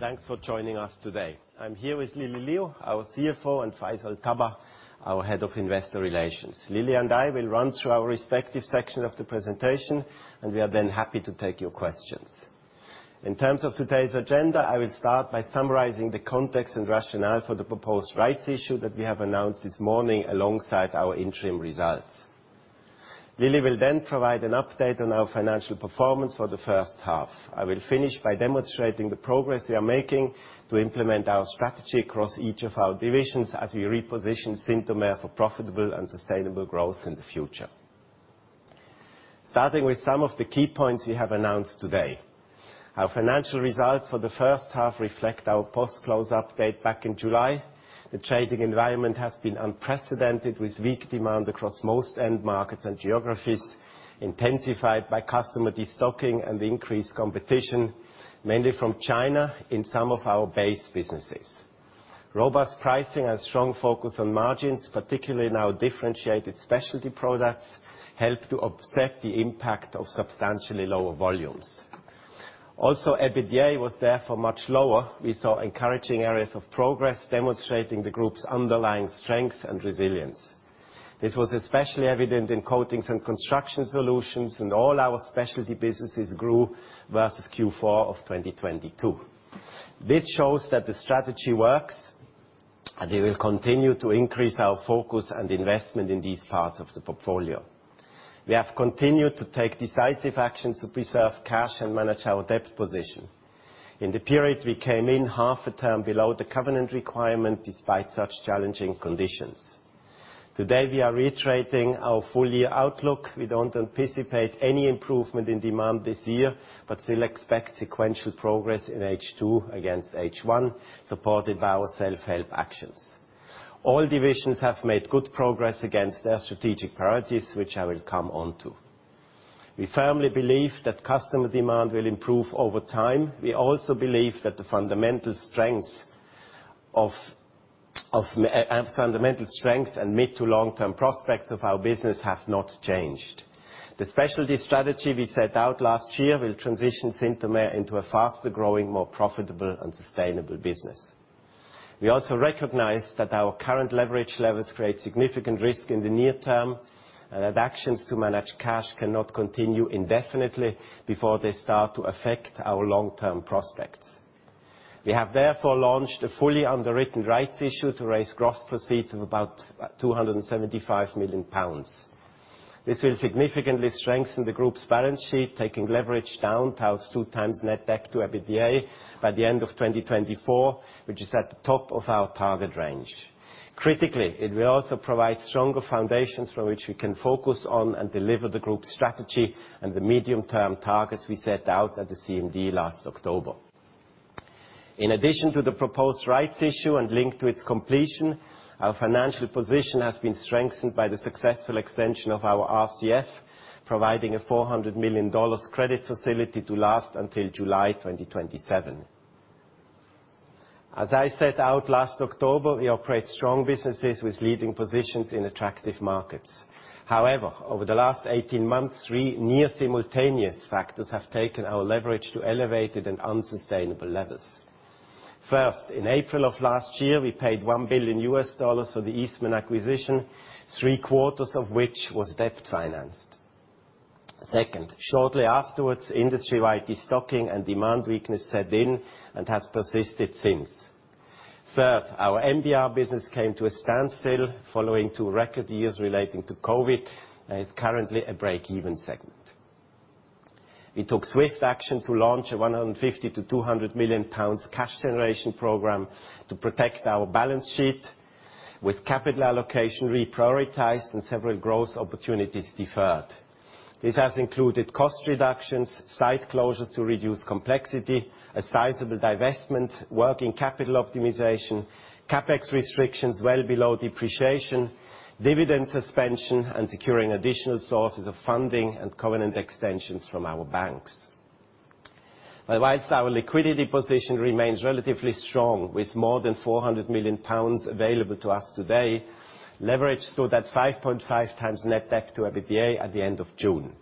Thanks for joining us today. I'm here with Lily Liu, our CFO, and Faisal Tabbah, our Head of Investor Relations. Lily and I will run through our respective section of the presentation, and we are then happy to take your questions. In terms of today's agenda, I will start by summarizing the context and rationale for the proposed rights issue that we have announced this morning, alongside our interim results. Lily will then provide an update on our financial performance for the H1. I will finish by demonstrating the progress we are making to implement our strategy across each of our divisions as we reposition Synthomer for profitable and sustainable growth in the future. Starting with some of the key points we have announced today. Our financial results for the H1 reflect our post-close update back in July. The trading environment has been unprecedented, with weak demand across most end markets and geographies, intensified by customer destocking and increased competition, mainly from China, in some of our base businesses. Robust pricing and strong focus on margins, particularly in our differentiated specialty products, helped to offset the impact of substantially lower volumes. Also, EBITDA was therefore much lower. We saw encouraging areas of progress, demonstrating the group's underlying strengths and resilience. This was especially evident in Coatings and Construction Solutions, and all our specialty businesses grew versus Q4 of 2022. This shows that the strategy works, and we will continue to increase our focus and investment in these parts of the portfolio. We have continued to take decisive action to preserve cash and manage our debt position. In the period, we came in half a turn below the covenant requirement, despite such challenging conditions. Today, we are reiterating our full-year outlook. We don't anticipate any improvement in demand this year, but still expect sequential progress in H2 against H1, supported by our self-help actions. All divisions have made good progress against their strategic priorities, which I will come on to. We firmly believe that customer demand will improve over time. We also believe that the fundamental strengths and mid to long-term prospects of our business have not changed. The specialty strategy we set out last year will transition Synthomer into a faster-growing, more profitable and sustainable business. We also recognize that our current leverage levels create significant risk in the near term, and that actions to manage cash cannot continue indefinitely before they start to affect our long-term prospects. We have therefore launched a fully underwritten rights issue to raise gross proceeds of about 275 million pounds. This will significantly strengthen the group's balance sheet, taking leverage down towards 2x net debt to EBITDA by the end of 2024, which is at the top of our target range. Critically, it will also provide stronger foundations from which we can focus on and deliver the group's strategy and the medium-term targets we set out at the CMD last October. In addition to the proposed rights issue and linked to its completion, our financial position has been strengthened by the successful extension of our RCF, providing a $400 million credit facility to last until July 2027. As I set out last October, we operate strong businesses with leading positions in attractive markets. However, over the last 18 months, 3 near-simultaneous factors have taken our leverage to elevated and unsustainable levels. First, in April of last year, we paid $1 billion for the Eastman acquisition, three quarters of which was debt-financed. Second, shortly afterwards, industry-wide destocking and demand weakness set in and has persisted since. Third, our NBR business came to a standstill following 2 record years relating to COVID, and is currently a break-even segment. We took swift action to launch a 150 million-200 million pounds cash generation program to protect our balance sheet, with capital allocation reprioritized and several growth opportunities deferred. This has included cost reductions, site closures to reduce complexity, a sizable divestment, working capital optimization, CapEx restrictions well below depreciation, dividend suspension, and securing additional sources of funding and covenant extensions from our banks. But while our liquidity position remains relatively strong, with more than 400 million pounds available to us today, leverage stood at 5.5 times net debt to EBITDA at the end of June.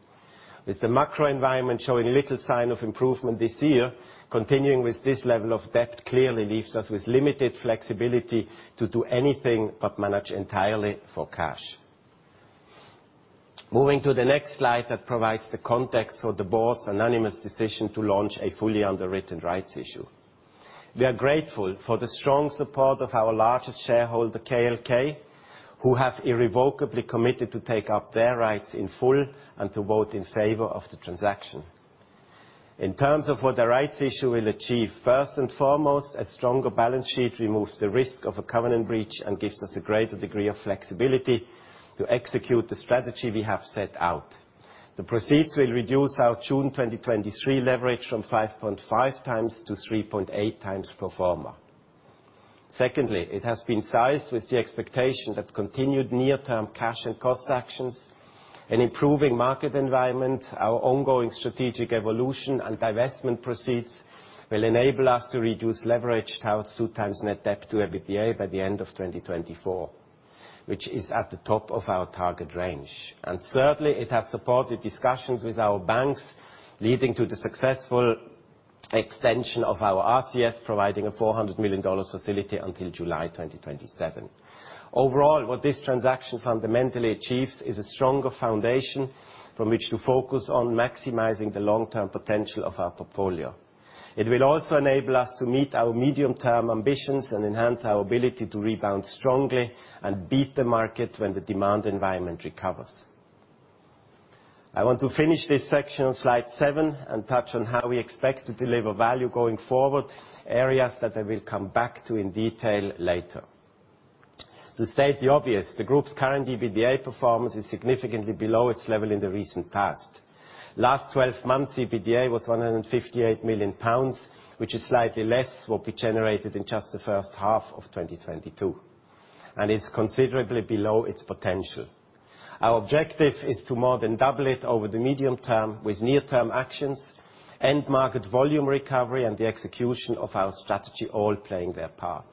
With the macro environment showing little sign of improvement this year, continuing with this level of debt clearly leaves us with limited flexibility to do anything but manage entirely for cash. Moving to the next slide that provides the context for the board's unanimous decision to launch a fully underwritten rights issue. We are grateful for the strong support of our largest shareholder, KLK, who have irrevocably committed to take up their rights in full and to vote in favor of the transaction. In terms of what the rights issue will achieve, first and foremost, a stronger balance sheet removes the risk of a covenant breach and gives us a greater degree of flexibility to execute the strategy we have set out. The proceeds will reduce our June 2023 leverage from 5.5 times to 3.8 times pro forma. Secondly, it has been sized with the expectation that continued near-term cash and cost actions, an improving market environment, our ongoing strategic evolution, and divestment proceeds will enable us to reduce leverage towards 2 times net debt to EBITDA by the end of 2024, which is at the top of our target range. And thirdly, it has supported discussions with our banks, leading to the successful extension of our RCF, providing a $400 million facility until July 2027. Overall, what this transaction fundamentally achieves is a stronger foundation from which to focus on maximizing the long-term potential of our portfolio. It will also enable us to meet our medium-term ambitions, and enhance our ability to rebound strongly, and beat the market when the demand environment recovers. I want to finish this section on slide seven, and touch on how we expect to deliver value going forward, areas that I will come back to in detail later. To state the obvious, the group's current EBITDA performance is significantly below its level in the recent past. Last 12 months, EBITDA was 158 million pounds, which is slightly less what we generated in just the H1 of 2022, and it's considerably below its potential. Our objective is to more than double it over the medium term, with near-term actions, end market volume recovery, and the execution of our strategy all playing their part.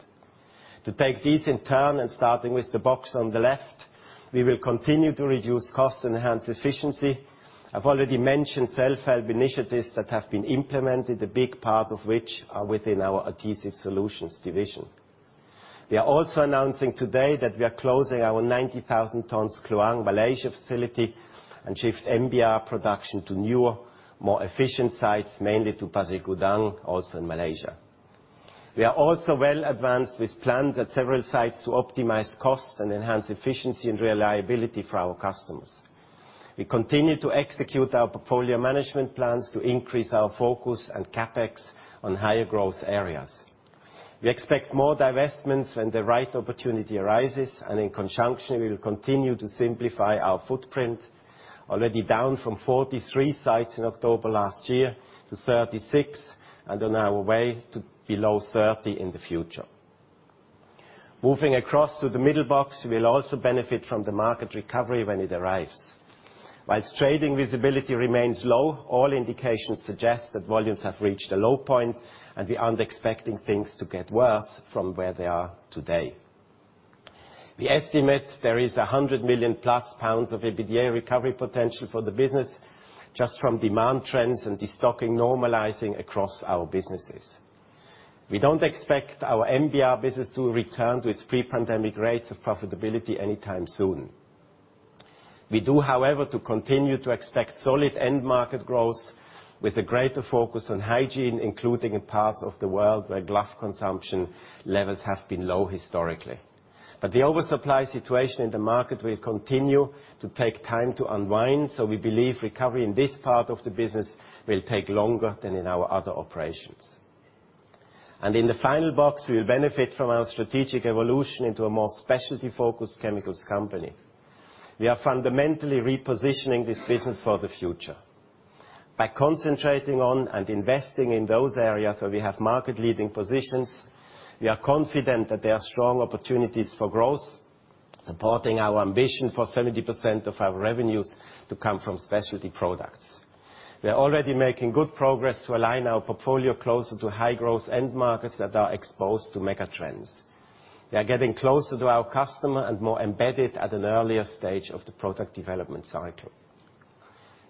To take these in turn, and starting with the box on the left, we will continue to reduce costs and enhance efficiency. I've already mentioned self-help initiatives that have been implemented, a big part of which are within our Adhesive Solutions division. We are also announcing today that we are closing our 90,000 tons Kluang, Malaysia facility, and shift NBR production to newer, more efficient sites, mainly to Pasir Gudang, also in Malaysia. We are also well advanced with plans at several sites to optimize costs and enhance efficiency and reliability for our customers. We continue to execute our portfolio management plans to increase our focus and CapEx on higher growth areas. We expect more divestments when the right opportunity arises, and in conjunction, we will continue to simplify our footprint, already down from 43 sites in October last year to 36, and on our way to below 30 in the future. Moving across to the middle box, we'll also benefit from the market recovery when it arrives. Whilst trading visibility remains low, all indications suggest that volumes have reached a low point, and we aren't expecting things to get worse from where they are today. We estimate there is 100 million pounds-plus of EBITDA recovery potential for the business, just from demand trends and destocking normalizing across our businesses. We don't expect our NBR business to return to its pre-pandemic rates of profitability anytime soon. We do, however, to continue to expect solid end market growth with a greater focus on hygiene, including in parts of the world where glove consumption levels have been low historically. But the oversupply situation in the market will continue to take time to unwind, so we believe recovery in this part of the business will take longer than in our other operations. In the final box, we will benefit from our strategic evolution into a more specialty-focused chemicals company. We are fundamentally repositioning this business for the future. By concentrating on and investing in those areas where we have market-leading positions, we are confident that there are strong opportunities for growth, supporting our ambition for 70% of our revenues to come from specialty products. We are already making good progress to align our portfolio closer to high-growth end markets that are exposed to mega trends. We are getting closer to our customer and more embedded at an earlier stage of the product development cycle.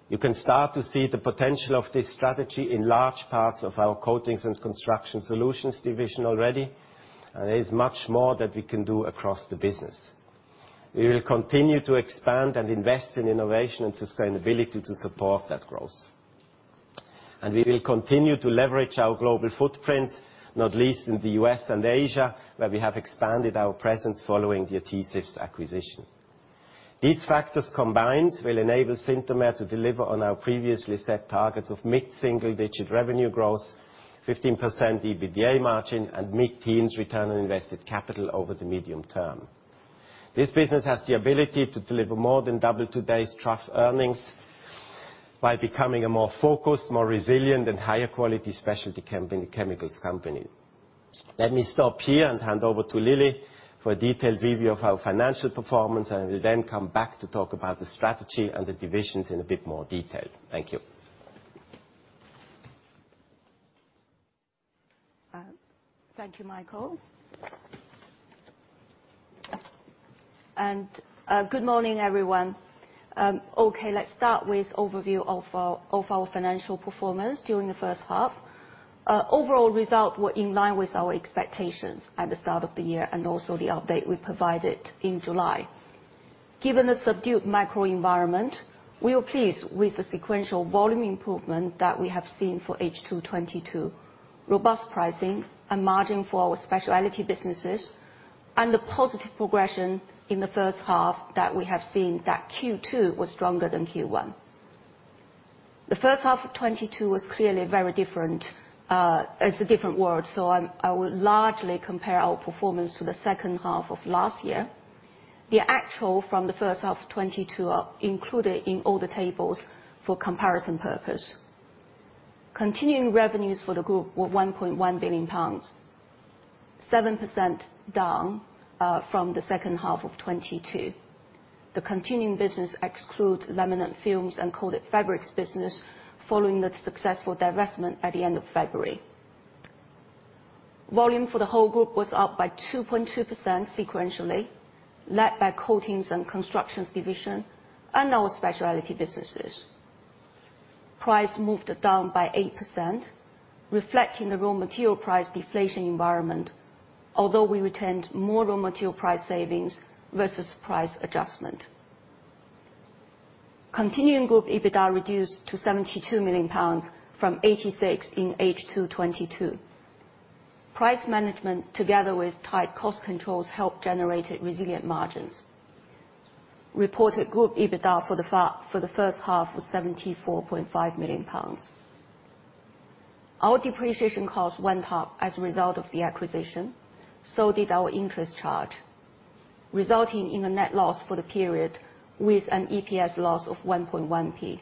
You can start to see the potential of this strategy in large parts of our Coatings and Construction Solutions division already, and there is much more that we can do across the business. We will continue to expand and invest in innovation and sustainability to support that growth. And we will continue to leverage our global footprint, not least in the U.S. and Asia, where we have expanded our presence following the adhesives acquisition. These factors combined will enable Synthomer to deliver on our previously set targets of mid-single digit revenue growth, 15% EBITDA margin, and mid-teens return on invested capital over the medium term. This business has the ability to deliver more than double today's trough earnings by becoming a more focused, more resilient, and higher quality specialty company, chemicals company. Let me stop here and hand over to Lily for a detailed review of our financial performance, and I will then come back to talk about the strategy and the divisions in a bit more detail. Thank you. Thank you, Michael. Good morning, everyone. Okay, let's start with overview of our, of our financial performance during the H1. Overall result were in line with our expectations at the start of the year, and also the update we provided in July. Given the subdued microenvironment, we were pleased with the sequential volume improvement that we have seen for H2 2022, robust pricing and margin for our specialty businesses, and the positive progression in the H1 that we have seen that Q2 was stronger than Q1. The H1 of 2022 was clearly very different. It's a different world, so I will largely compare our performance to the H2 of last year. The actual from the H1 of 2022 are included in all the tables for comparison purpose. Continuing revenues for the group were 1.1 billion pounds, 7% down from the H2 of 2022. The continuing business excludes laminate films and coated fabrics business, following the successful divestment at the end of February. Volume for the whole group was up by 2.2% sequentially, led by Coatings and Construction division, and our specialty businesses. Price moved down by 8%, reflecting the raw material price deflation environment, although we retained more raw material price savings versus price adjustment. Continuing group EBITDA reduced to 72 million pounds from 86 in H2 2022. Price management, together with tight cost controls, helped generate resilient margins. Reported group EBITDA for the H1 was 74.5 million pounds. Our depreciation costs went up as a result of the acquisition, so did our interest charge, resulting in a net loss for the period, with an EPS loss of 1.1p.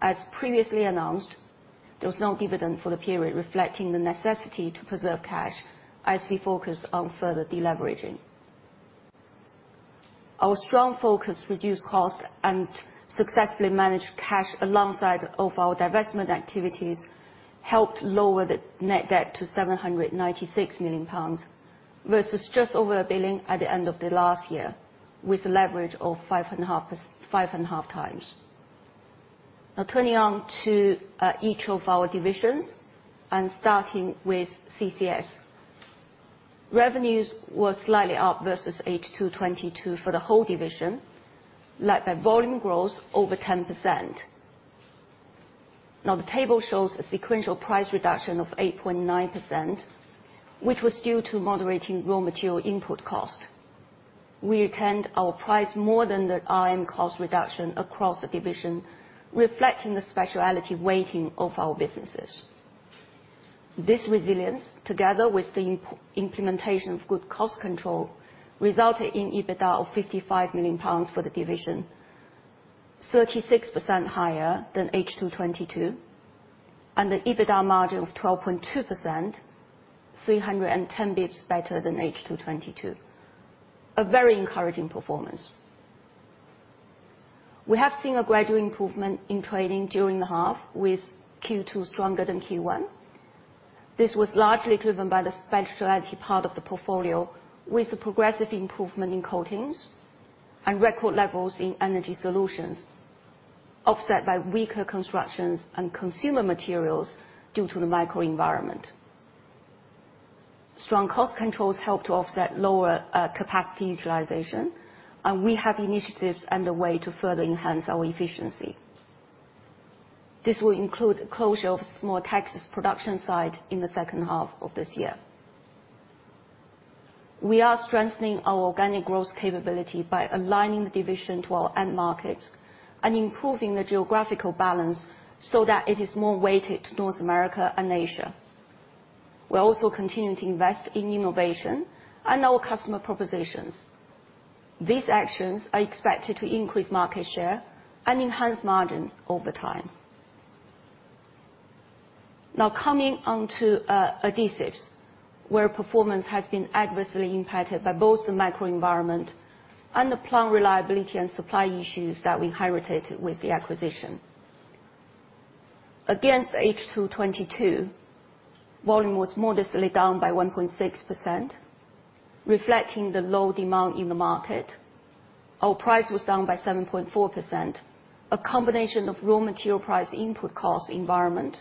As previously announced, there was no dividend for the period, reflecting the necessity to preserve cash as we focus on further de-leveraging. Our strong focus reduced costs and successfully managed cash alongside of our divestment activities, helped lower the net debt to 796 million pounds, versus just over a billion at the end of the last year, with a leverage of 5.5 times. Now, turning on to each of our divisions, and starting with CCS. Revenues were slightly up versus H2 2022 for the whole division, led by volume growth over 10%. Now, the table shows a sequential price reduction of 8.9%, which was due to moderating raw material input cost. We retained our price more than the RM cost reduction across the division, reflecting the specialty weighting of our businesses. This resilience, together with the implementation of good cost control, resulted in EBITDA of 55 million pounds for the division, 36% higher than H2 2022, and an EBITDA margin of 12.2%, 310 basis points better than H2 2022. A very encouraging performance. We have seen a gradual improvement in trading during the half, with Q2 stronger than Q1. This was largely driven by the specialty part of the portfolio, with a progressive improvement in coatings and record levels in Energy Solutions, offset by weaker constructions and Consumer Materials due to the macro environment. Strong cost controls helped to offset lower, capacity utilization, and we have initiatives underway to further enhance our efficiency. This will include the closure of a small Texas production site in the H2 of this year. We are strengthening our organic growth capability by aligning the division to our end markets and improving the geographical balance so that it is more weighted to North America and Asia. We are also continuing to invest in innovation and our customer propositions. These actions are expected to increase market share and enhance margins over time. Now, coming on to, Adhesives, where performance has been adversely impacted by both the microenvironment and the plant reliability and supply issues that we inherited with the acquisition. Against H2 2022, volume was modestly down by 1.6%, reflecting the low demand in the market. Our price was down by 7.4%, a combination of raw material price input cost environment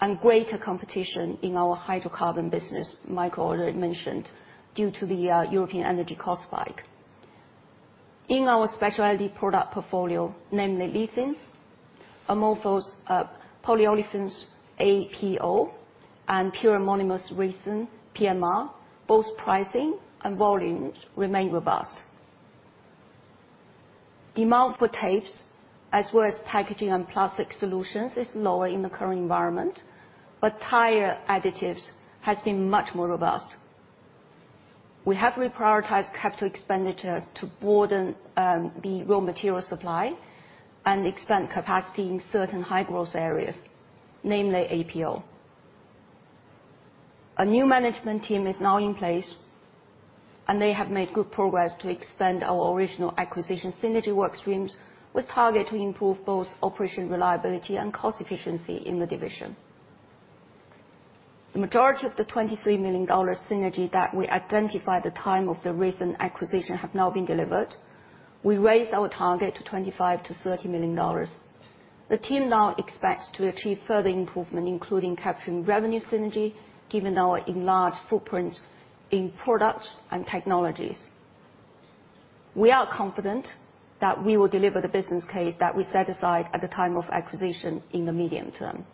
and greater competition in our hydrocarbon business, Michael already mentioned, due to the European energy cost spike. In our specialty product portfolio, namely olefins, amorphous polyolefins APO, and pure monomer resin PMR, both pricing and volumes remain robust. Demand for tapes, as well as packaging and plastic solutions, is lower in the current environment, but tire additives has been much more robust. We have reprioritized capital expenditure to broaden the raw material supply and expand capacity in certain high-growth areas, namely APO. A new management team is now in place, and they have made good progress to extend our original acquisition synergy work streams, with target to improve both operational reliability and cost efficiency in the division. The majority of the $23 million synergy that we identified at the time of the recent acquisition have now been delivered. We raised our target to $25 million-$30 million. The team now expects to achieve further improvement, including capturing revenue synergy, given our enlarged footprint in products and technologies. We are confident that we will deliver the business case that we set aside at the time of acquisition in the medium term.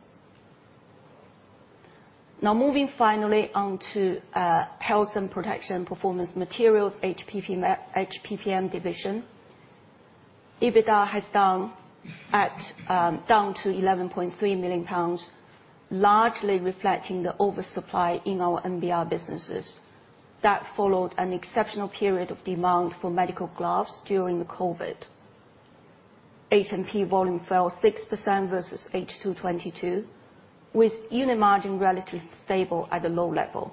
Now, moving finally on to Health and Protection Performance Materials, HPPM division. EBITDA is down to 11.3 million pounds, largely reflecting the oversupply in our NBR businesses. That followed an exceptional period of demand for medical gloves during the COVID. H&P volume fell 6% versus H2 2022, with unit margin relatively stable at a low level....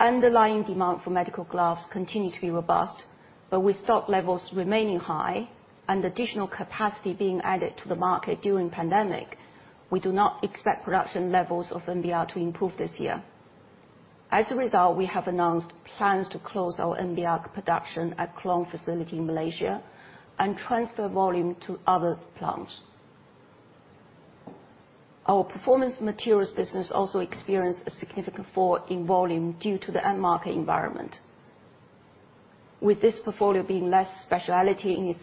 Underlying demand for medical gloves continue to be robust, but with stock levels remaining high and additional capacity being added to the market during pandemic, we do not expect production levels of NBR to improve this year. As a result, we have announced plans to close our NBR production at Kluang facility in Malaysia and transfer volume to other plants. Our Performance Materials business also experienced a significant fall in volume due to the end market environment. With this portfolio being less specialty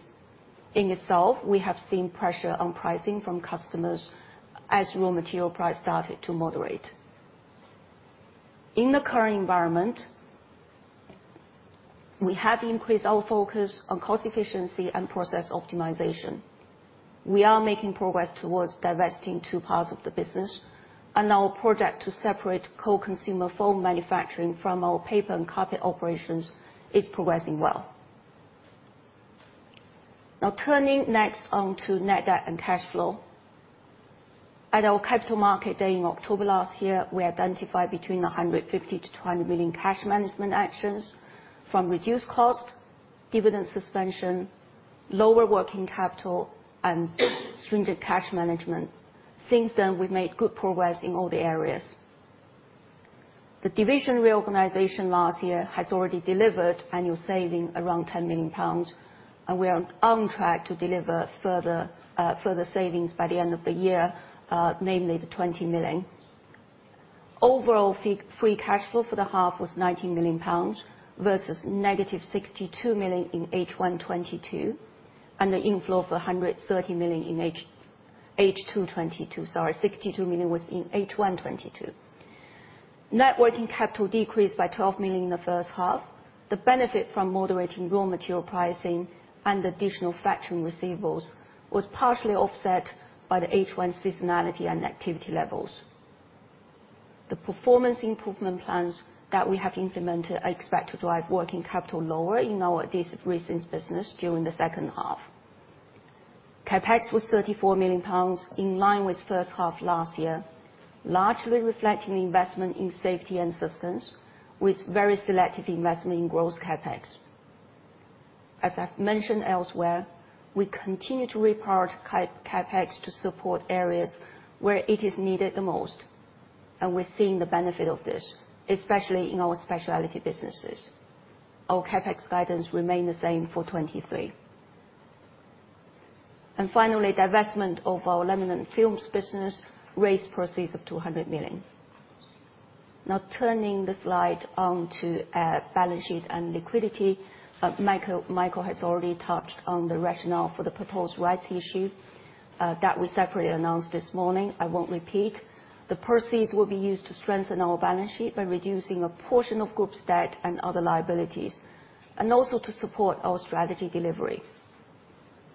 in itself, we have seen pressure on pricing from customers as raw material price started to moderate. In the current environment, we have increased our focus on cost efficiency and process optimization. We are making progress towards divesting two parts of the business, and our project to separate co-consumer foam manufacturing from our paper and carpet operations is progressing well. Now, turning next on to net debt and cash flow. At our Capital Markets Day in October last year, we identified between 150-200 million cash management actions from reduced cost, dividend suspension, lower working capital, and stringent cash management. Since then, we've made good progress in all the areas. The division reorganization last year has already delivered annual savings around 10 million pounds, and we are on track to deliver further savings by the end of the year, namely the 20 million. Overall, free cash flow for the half was 19 million pounds versus -62 million in H1 2022, and the inflow of 130 million in H2 2022. Sorry, 62 million was in H1 2022. Net working capital decreased by 12 million in the H1. The benefit from moderating raw material pricing and additional factoring receivables was partially offset by the H1 seasonality and activity levels. The performance improvement plans that we have implemented are expected to drive working capital lower in our adhesive resins business during the H2. CapEx was 34 million pounds, in line with H1 last year, largely reflecting the investment in safety and systems, with very selective investment in growth CapEx. As I've mentioned elsewhere, we continue to reprioritize CapEx to support areas where it is needed the most, and we're seeing the benefit of this, especially in our specialty businesses. Our CapEx guidance remain the same for 2023. Finally, divestment of our laminate films business raised proceeds of 200 million. Now, turning the slide on to balance sheet and liquidity. Michael, Michael has already touched on the rationale for the proposed rights issue, that we separately announced this morning. I won't repeat. The proceeds will be used to strengthen our balance sheet by reducing a portion of group's debt and other liabilities, and also to support our strategy delivery.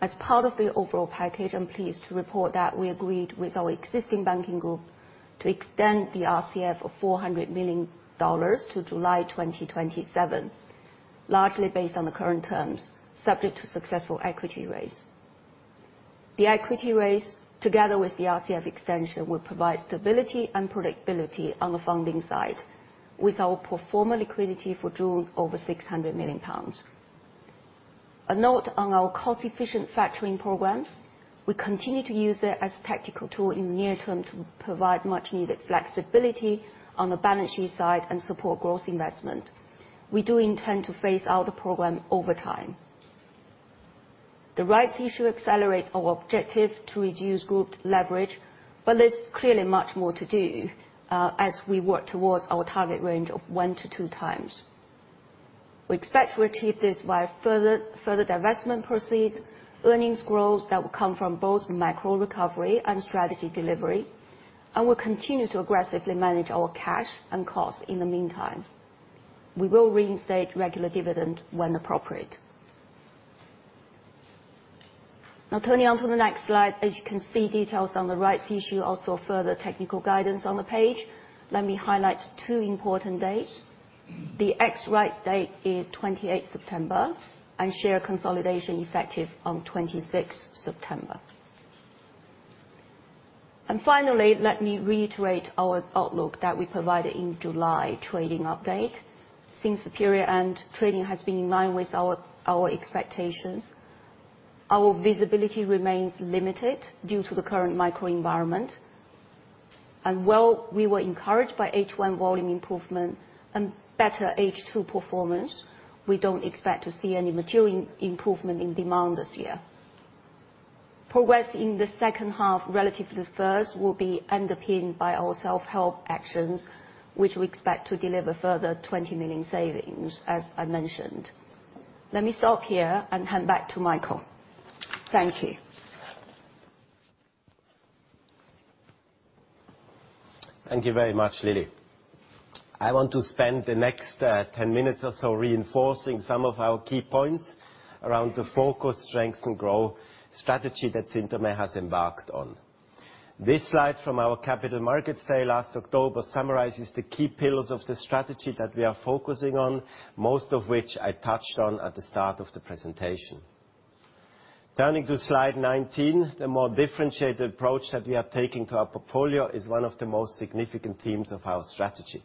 As part of the overall package, I'm pleased to report that we agreed with our existing banking group to extend the RCF of $400 million to July 2027, largely based on the current terms, subject to successful equity raise. The equity raise, together with the RCF extension, will provide stability and predictability on the funding side, with our pro forma liquidity for June over 600 million pounds. A note on our cost-efficient factoring programs. We continue to use it as a tactical tool in the near term to provide much-needed flexibility on the balance sheet side and support growth investment. We do intend to phase out the program over time. The rights issue accelerate our objective to reduce group leverage, but there's clearly much more to do as we work towards our target range of 1-2 times. We expect to achieve this by further divestment proceeds, earnings growth that will come from both macro recovery and strategy delivery, and we'll continue to aggressively manage our cash and costs in the meantime. We will reinstate regular dividend when appropriate. Now, turning to the next slide. As you can see, details on the rights issue, also further technical guidance on the page. Let me highlight 2 important dates. The ex-rights date is 28th September, and share consolidation effective on 26th September. Finally, let me reiterate our outlook that we provided in July trading update. Since the period end, trading has been in line with our expectations. Our visibility remains limited due to the current microenvironment. While we were encouraged by H1 volume improvement and better H2 performance, we don't expect to see any material improvement in demand this year. Progress in the H2 relative to the first will be underpinned by our self-help actions, which we expect to deliver further 20 million savings, as I mentioned. Let me stop here and hand back to Michael. Thank you. Thank you very much, Lily. I want to spend the next 10 minutes or so reinforcing some of our key points around the focus, strengths, and growth strategy that Synthomer has embarked on. This slide from our Capital Markets Day last October summarizes the key pillars of the strategy that we are focusing on, most of which I touched on at the start of the presentation.... Turning to slide 19, the more differentiated approach that we are taking to our portfolio is one of the most significant themes of our strategy.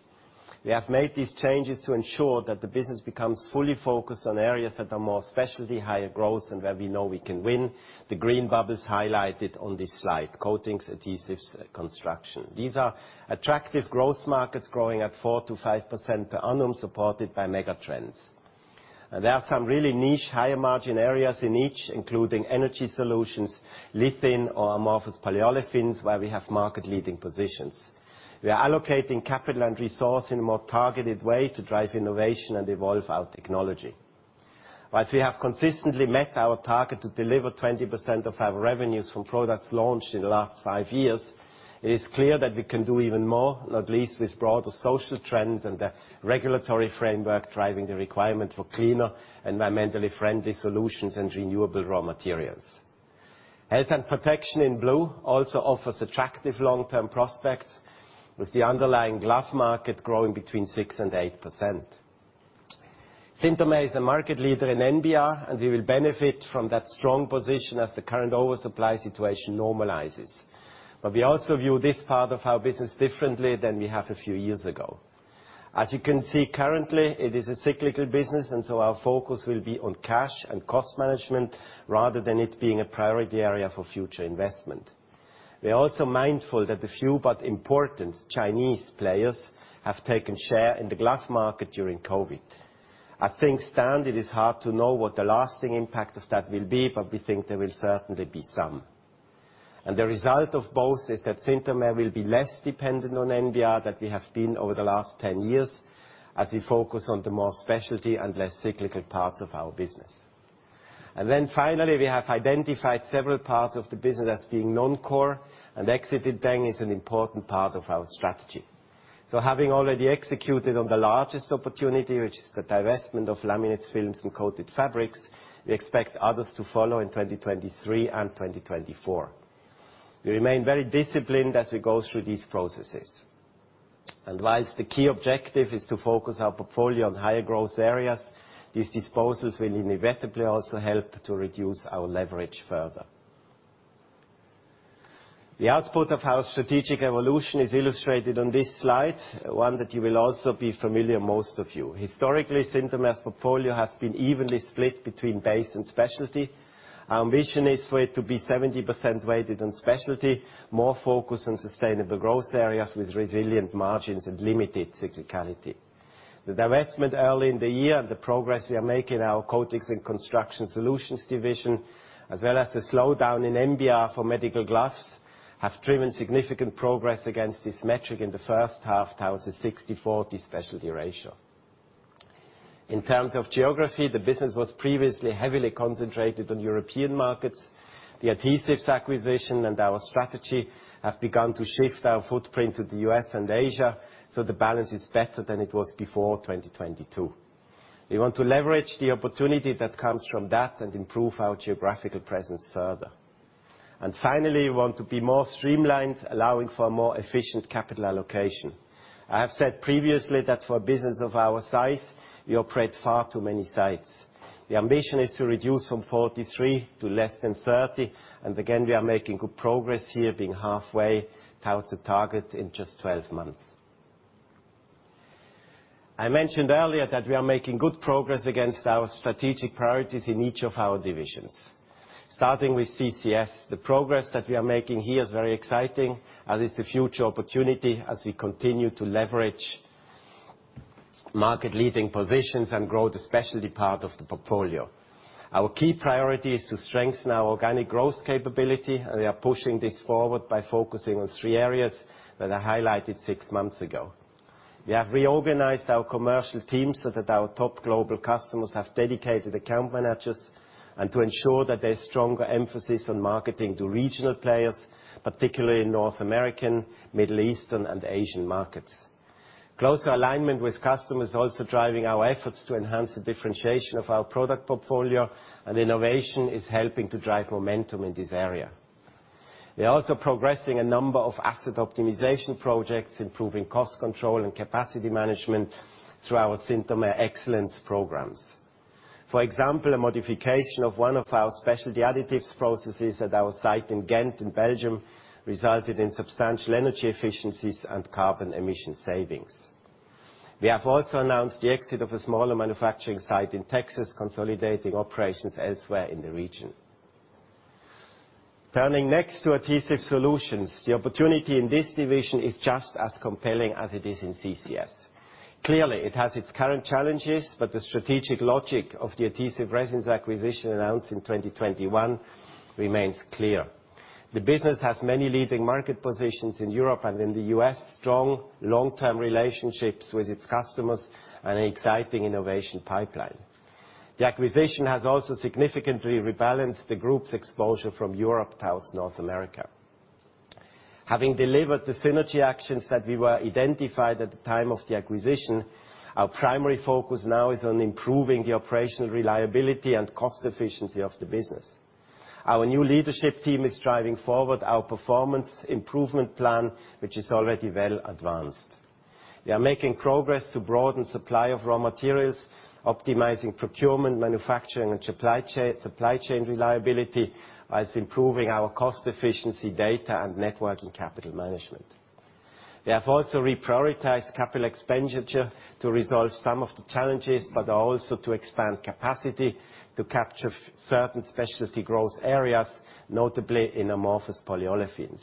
We have made these changes to ensure that the business becomes fully focused on areas that are more specialty, higher growth, and where we know we can win. The green bubbles highlighted on this slide, coatings, adhesives, and construction. These are attractive growth markets, growing at 4%-5% per annum, supported by mega trends. There are some really niche, higher margin areas in each, including Energy Solutions, lithium, or Amorphous Polyolefins, where we have market-leading positions. We are allocating capital and resource in a more targeted way to drive innovation and evolve our technology. While we have consistently met our target to deliver 20% of our revenues from products launched in the last five years, it is clear that we can do even more, not least with broader social trends and the regulatory framework driving the requirement for cleaner, environmentally friendly solutions and renewable raw materials. Health and Protection, in blue, also offers attractive long-term prospects, with the underlying glove market growing between 6% and 8%. Synthomer is a market leader in NBR, and we will benefit from that strong position as the current oversupply situation normalizes. But we also view this part of our business differently than we have a few years ago. As you can see, currently, it is a cyclical business, and so our focus will be on cash and cost management, rather than it being a priority area for future investment. We are also mindful that a few, but important, Chinese players have taken share in the glove market during COVID. I think, standard, it is hard to know what the lasting impact of that will be, but we think there will certainly be some. And the result of both is that Synthomer will be less dependent on NBR than we have been over the last 10 years, as we focus on the more specialty and less cyclical parts of our business. Then finally, we have identified several parts of the business as being non-core, and exiting them is an important part of our strategy. So having already executed on the largest opportunity, which is the divestment of Laminates, Films, and Coated Fabrics, we expect others to follow in 2023 and 2024. We remain very disciplined as we go through these processes. And while the key objective is to focus our portfolio on higher growth areas, these disposals will inevitably also help to reduce our leverage further. The output of our strategic evolution is illustrated on this slide, one that you will also be familiar with, most of you. Historically, Synthomer's portfolio has been evenly split between base and specialty. Our ambition is for it to be 70% weighted on specialty, more focused on sustainable growth areas with resilient margins and limited cyclicality. The divestment early in the year, and the progress we are making in our Coatings and Construction Solutions division, as well as the slowdown in NBR for medical gloves, have driven significant progress against this metric in the H1 towards a 60/40 specialty ratio. In terms of geography, the business was previously heavily concentrated on European markets. The adhesives acquisition and our strategy have begun to shift our footprint to the U.S. and Asia, so the balance is better than it was before 2022. We want to leverage the opportunity that comes from that, and improve our geographical presence further. And finally, we want to be more streamlined, allowing for more efficient capital allocation. I have said previously that for a business of our size, we operate far too many sites. The ambition is to reduce from 43 to less than 30, and again, we are making good progress here, being halfway towards the target in just 12 months. I mentioned earlier that we are making good progress against our strategic priorities in each of our divisions. Starting with CCS, the progress that we are making here is very exciting, as is the future opportunity as we continue to leverage market-leading positions and grow the specialty part of the portfolio. Our key priority is to strengthen our organic growth capability, and we are pushing this forward by focusing on three areas that I highlighted 6 months ago. We have reorganized our commercial teams so that our top global customers have dedicated account managers, and to ensure that there's stronger emphasis on marketing to regional players, particularly in North American, Middle Eastern, and Asian markets. Closer alignment with customers is also driving our efforts to enhance the differentiation of our product portfolio, and innovation is helping to drive momentum in this area. We are also progressing a number of asset optimization projects, improving cost control and capacity management through our Synthomer Excellence programs. For example, a modification of one of our specialty additives processes at our site in Ghent, in Belgium, resulted in substantial energy efficiencies and carbon emission savings. We have also announced the exit of a smaller manufacturing site in Texas, consolidating operations elsewhere in the region. Turning next to Adhesive Solutions. The opportunity in this division is just as compelling as it is in CCS. Clearly, it has its current challenges, but the strategic logic of the Adhesive Resins acquisition, announced in 2021, remains clear. The business has many leading market positions in Europe and in the U.S., strong long-term relationships with its customers, and an exciting innovation pipeline. The acquisition has also significantly rebalanced the group's exposure from Europe towards North America. Having delivered the synergy actions that we were identified at the time of the acquisition, our primary focus now is on improving the operational reliability and cost efficiency of the business. Our new leadership team is driving forward our performance improvement plan, which is already well advanced. We are making progress to broaden supply of raw materials, optimizing procurement, manufacturing, and supply chain, supply chain reliability, as improving our cost efficiency, data, and network, and capital management. We have also reprioritized capital expenditure to resolve some of the challenges, but also to expand capacity to capture certain specialty growth areas, notably in Amorphous Polyolefins.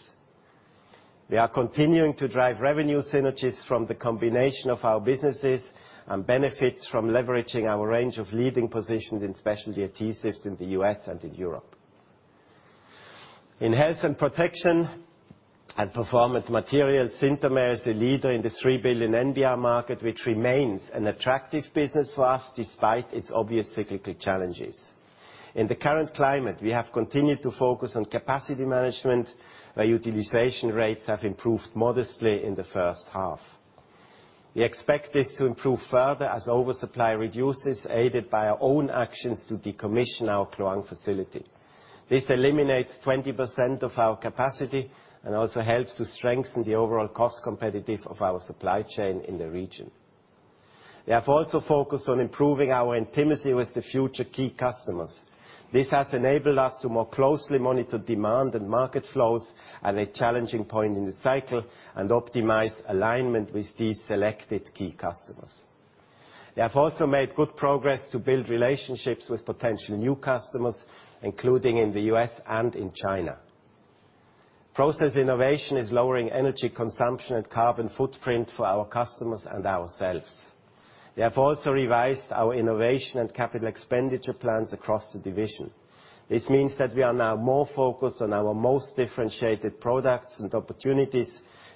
We are continuing to drive revenue synergies from the combination of our businesses, and benefits from leveraging our range of leading positions in specialty adhesives in the U.S. and in Europe. In health and protection and performance materials, Synthomer is the leader in the $3 billion NBR market, which remains an attractive business for us, despite its obvious cyclical challenges. In the current climate, we have continued to focus on capacity management, where utilization rates have improved modestly in the H1. We expect this to improve further as oversupply reduces, aided by our own actions to decommission our Kluang facility. This eliminates 20% of our capacity, and also helps to strengthen the overall cost competitiveness of our supply chain in the region. We have also focused on improving our intimacy with the future key customers. This has enabled us to more closely monitor demand and market flows at a challenging point in the cycle, and optimize alignment with these selected key customers. We have also made good progress to build relationships with potential new customers, including in the U.S. and in China. Process innovation is lowering energy consumption and carbon footprint for our customers and ourselves. We have also revised our innovation and capital expenditure plans across the division. This means that we are now more focused on our most differentiated products and opportunities,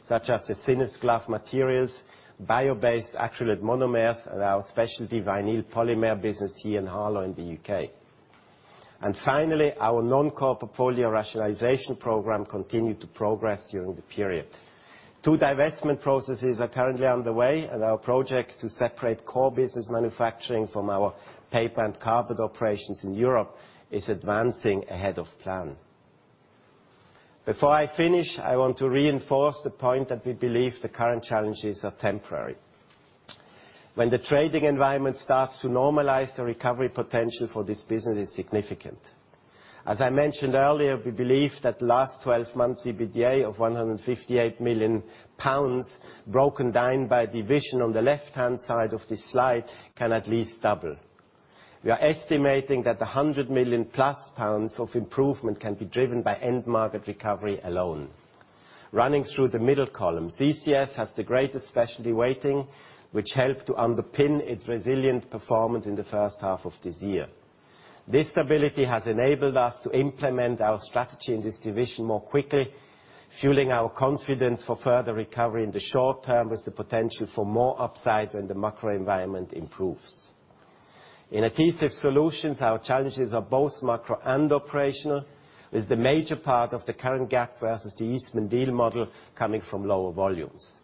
such as the thinnest glove materials, bio-based acrylate monomers, and our specialty vinyl polymer business here in Harlow, in the U.K. And finally, our non-core portfolio rationalization program continued to progress during the period. Two divestment processes are currently underway, and our project to separate core business manufacturing from our paper and carpet operations in Europe is advancing ahead of plan. Before I finish, I want to reinforce the point that we believe the current challenges are temporary. When the trading environment starts to normalize, the recovery potential for this business is significant. As I mentioned earlier, we believe that the last 12 months, EBITDA of 158 million pounds, broken down by division on the left-hand side of this slide, can at least double. We are estimating that 100 million pounds-plus of improvement can be driven by end market recovery alone. Running through the middle column, CCS has the greatest specialty weighting, which helped to underpin its resilient performance in the H1 of this year. This stability has enabled us to implement our strategy in this division more quickly, fueling our confidence for further recovery in the short term, with the potential for more upside when the macro environment improves. In Adhesive Solutions, our challenges are both macro and operational, with the major part of the current gap versus the Eastman deal model coming from lower volumes.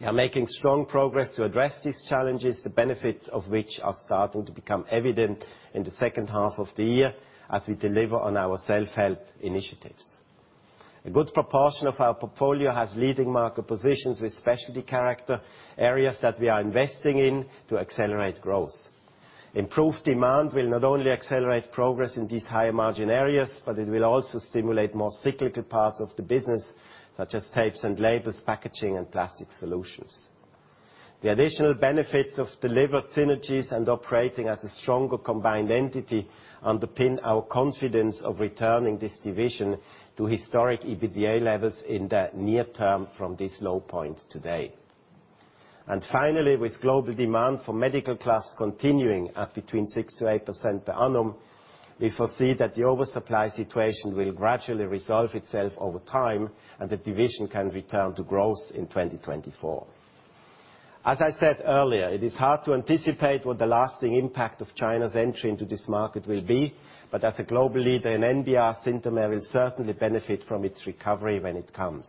We are making strong progress to address these challenges, the benefits of which are starting to become evident in the H2 of the year, as we deliver on our self-help initiatives. A good proportion of our portfolio has leading market positions with specialty character, areas that we are investing in to accelerate growth. Improved demand will not only accelerate progress in these higher margin areas, but it will also stimulate more cyclical parts of the business, such as tapes and labels, packaging, and plastic solutions. The additional benefits of delivered synergies and operating as a stronger combined entity underpin our confidence of returning this division to historic EBITDA levels in the near term from this low point today. And finally, with global demand for medical class continuing at between 6%-8% per annum, we foresee that the oversupply situation will gradually resolve itself over time, and the division can return to growth in 2024. As I said earlier, it is hard to anticipate what the lasting impact of China's entry into this market will be, but as a global leader in NBR, Synthomer will certainly benefit from its recovery when it comes.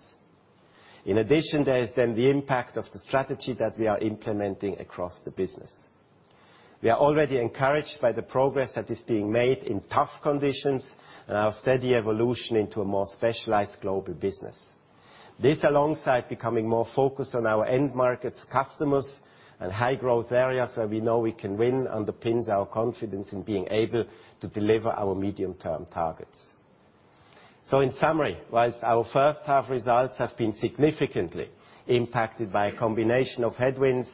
In addition, there is then the impact of the strategy that we are implementing across the business. We are already encouraged by the progress that is being made in tough conditions and our steady evolution into a more specialized global business. This, alongside becoming more focused on our end markets, customers, and high-growth areas where we know we can win, underpins our confidence in being able to deliver our medium-term targets. So in summary, while our H1 results have been significantly impacted by a combination of headwinds,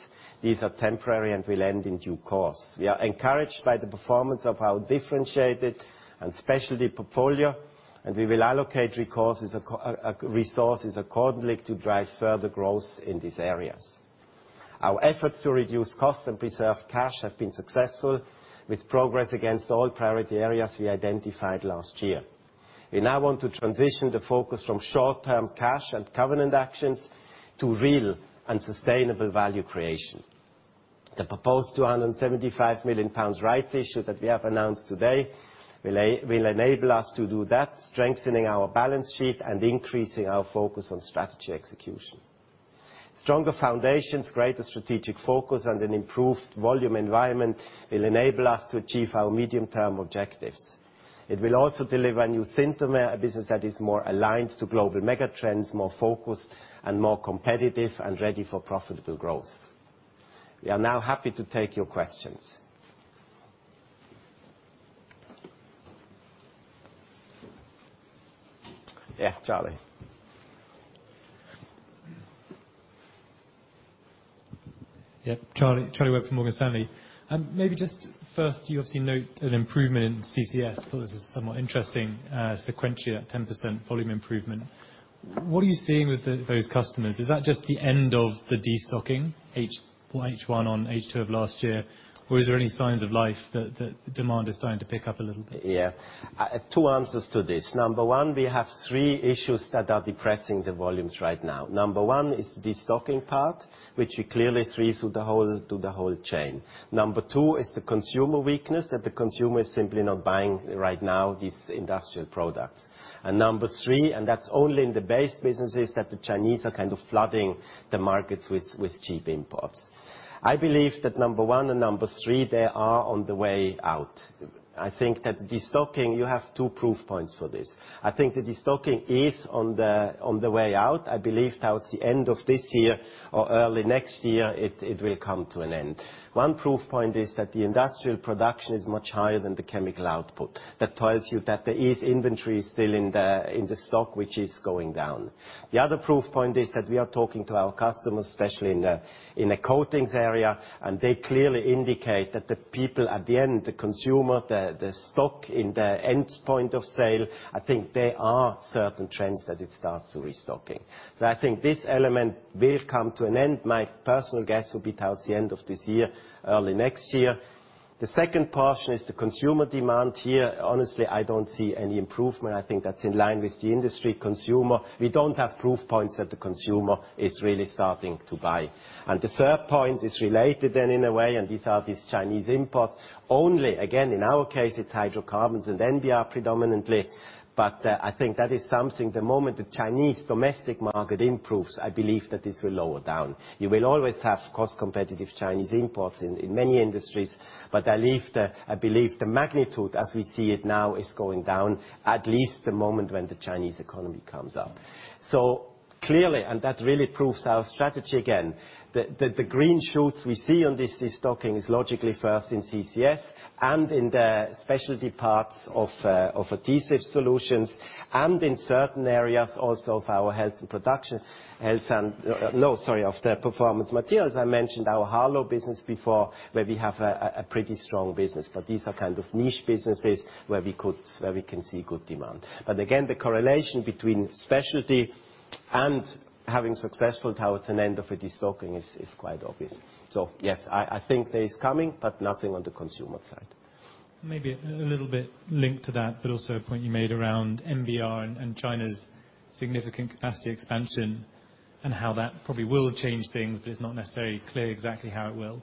these are temporary and will end in due course. We are encouraged by the performance of our differentiated and specialty portfolio, and we will allocate resources accordingly to drive further growth in these areas. Our efforts to reduce costs and preserve cash have been successful, with progress against all priority areas we identified last year. We now want to transition the focus from short-term cash and covenant actions to real and sustainable value creation. The proposed 275 million pounds rights issue that we have announced today will enable us to do that, strengthening our balance sheet and increasing our focus on strategy execution. Stronger foundations, greater strategic focus, and an improved volume environment will enable us to achieve our medium-term objectives. It will also deliver a new Synthomer, a business that is more aligned to global mega trends, more focused and more competitive, and ready for profitable growth. We are now happy to take your questions. Yeah, Charlie? Yeah, Charlie, Charlie Webb from Morgan Stanley. Maybe just first, you obviously note an improvement in CCS. Thought this was somewhat interesting, sequentially at 10% volume improvement. What are you seeing with those customers? Is that just the end of the destocking, well, H1 on H2 of last year? Or is there any signs of life that, that demand is starting to pick up a little bit? Yeah. Two answers to this. Number one, we have three issues that are depressing the volumes right now. Number one is destocking part, which we clearly see through the whole chain. Number two is the consumer weakness, that the consumer is simply not buying right now, these industrial products. And number three, and that's only in the base businesses, that the Chinese are kind of flooding the markets with cheap imports. I believe that number one and number three, they are on the way out. I think that destocking, you have two proof points for this. I think the destocking is on the way out. I believe towards the end of this year or early next year, it will come to an end. One proof point is that the industrial production is much higher than the chemical output. That tells you that there is inventory still in the stock, which is going down. The other proof point is that we are talking to our customers, especially in the coatings area, and they clearly indicate that the people at the end, the consumer, the stock in the end point of sale, I think there are certain trends that it starts restocking. So I think this element will come to an end. My personal guess will be towards the end of this year, early next year. The second portion is the consumer demand. Here, honestly, I don't see any improvement. I think that's in line with the industry consumer. We don't have proof points that the consumer is really starting to buy. And the third point is related then in a way, and these are Chinese imports. Only, again, in our case, it's hydrocarbons and NBR predominantly, but I think that is something, the moment the Chinese domestic market improves, I believe that this will lower down. You will always have cost competitive Chinese imports in many industries, but I believe the magnitude as we see it now is going down, at least the moment when the Chinese economy comes up. So clearly, and that really proves our strategy again, the green shoots we see on this destocking is logically first in CCS and in the specialty parts of Adhesive Solutions, and in certain areas also of our Health and Protection. Health and... No, sorry, of the Performance Materials. I mentioned our Harlow business before, where we have a pretty strong business, but these are kind of niche businesses where we can see good demand. But again, the correlation between specialty and having successful towards an end of a destocking is quite obvious. So yes, I think there is coming, but nothing on the consumer side. Maybe a little bit linked to that, but also a point you made around NBR and China's significant capacity expansion, and how that probably will change things, but it's not necessarily clear exactly how it will.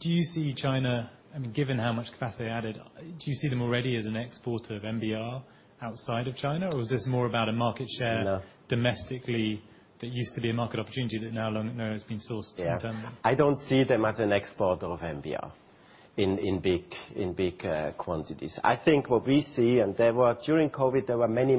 Do you see China, I mean, given how much capacity they added, do you see them already as an exporter of NBR outside of China? Or is this more about a market share- No domestically, that used to be a market opportunity that now, now has been sourced internally? Yeah. I don't see them as an exporter of NBR in big quantities. I think what we see, and there were, during COVID, many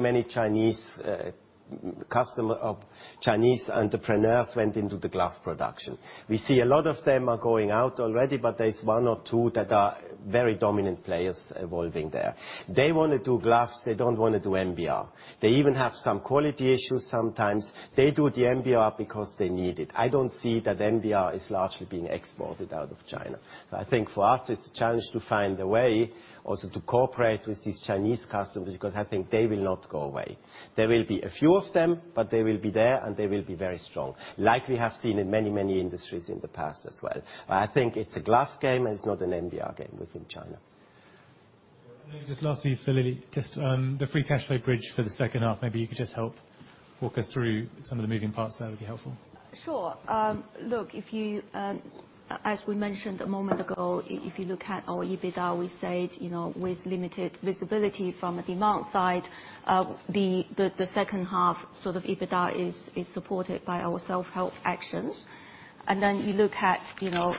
Chinese entrepreneurs went into the glove production. We see a lot of them are going out already, but there is one or two that are very dominant players evolving there. They want to do gloves, they don't want to do NBR. They even have some quality issues sometimes. They do the NBR because they need it. I don't see that NBR is largely being exported out of China. So I think for us, it's a challenge to find a way also to cooperate with these Chinese customers, because I think they will not go away. There will be a few of them, but they will be there, and they will be very strong, like we have seen in many, many industries in the past as well. But I think it's a glass game, and it's not an NBR game within China. Just lastly for Lily, just, the free cash flow bridge for the H2. Maybe you could just help walk us through some of the moving parts. That would be helpful. Sure. Look, if you, as we mentioned a moment ago, if you look at our EBITDA, we said, you know, with limited visibility from a demand side, the H2 sort of EBITDA is supported by our self-help actions. And then you look at, you know,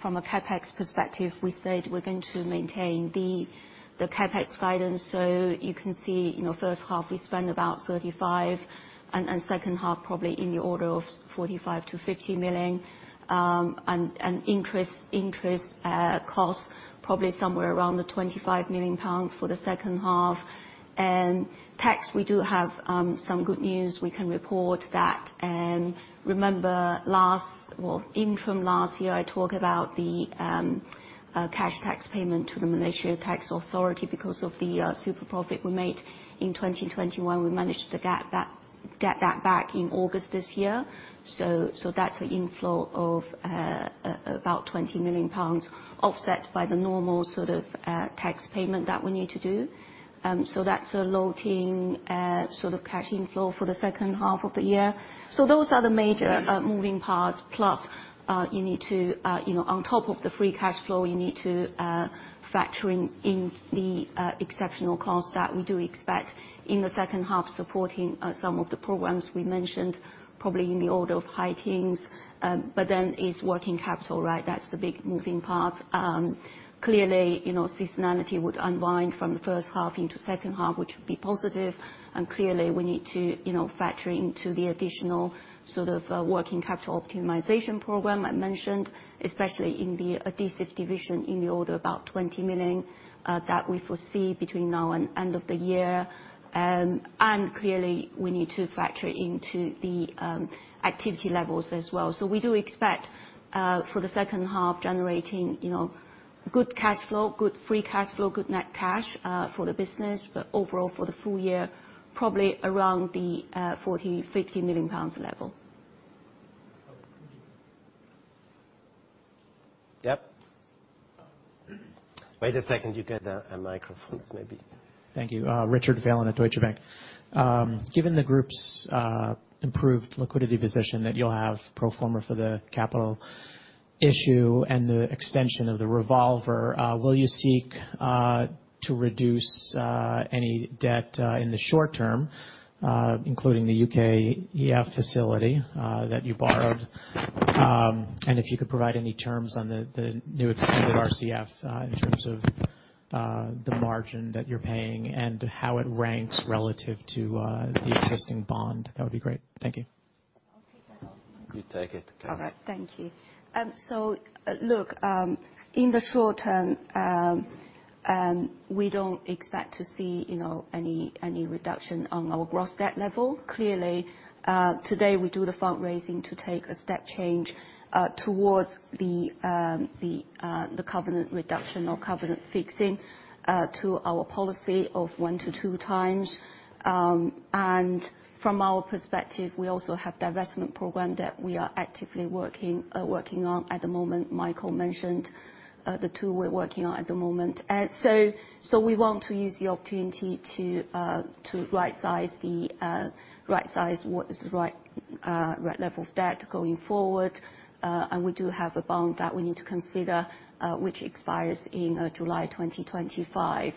from a CapEx perspective, we said we're going to maintain the CapEx guidance. So you can see, you know, H1, we spend about 35, and H2, probably in the order of 45-50 million GBP. And interest costs, probably somewhere around 25 million pounds for the H2. And tax, we do have some good news. We can report that. And remember, last interim last year, I talked about the cash tax payment to the Malaysia Tax Authority because of the super profit we made in 2021. We managed to get that, get that back in August this year. So that's an inflow of about 20 million pounds, offset by the normal sort of tax payment that we need to do. So that's a loading sort of cash flow for the H2 of the year. So those are the major moving parts. Plus, you know, on top of the free cash flow, you need to factor in the exceptional costs that we do expect in the H2, probably in the order of high teens. But then it's working capital, right? That's the big moving part. Clearly, you know, seasonality would unwind from the H1 into H2, which would be positive. Clearly, we need to, you know, factor into the additional sort of, working capital optimization program I mentioned, especially in the adhesive division, in the order about 20 million, that we foresee between now and end of the year. Clearly, we need to factor into the, activity levels as well. We do expect, for the H2, generating, you know, good cash flow, good free cash flow, good net cash, for the business, but overall for the full year, probably around the, 40-50 million pounds level. Yep. Wait a second, you get a microphone, maybe. Thank you. Richard Phelan at Deutsche Bank. Given the group's improved liquidity position that you'll have pro forma for the capital issue and the extension of the revolver, will you seek to reduce any debt in the short term, including the UKEF facility that you borrowed? And if you could provide any terms on the new extended RCF, in terms of the margin that you're paying, and how it ranks relative to the existing bond, that would be great. Thank you. I'll take that one. You take it. All right. Thank you. So, look, we don't expect to see, you know, any reduction on our gross debt level. Clearly, today we do the fundraising to take a step change towards the covenant reduction or covenant fixing to our policy of one to two times. And from our perspective, we also have divestment program that we are actively working on at the moment. Michael mentioned the two we're working on at the moment. So we want to use the opportunity to rightsize the right level of debt going forward. And we do have a bond that we need to consider, which expires in July 2025.